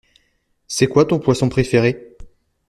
C'est quoi ton poisson préféré?